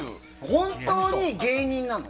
本当に芸人なの？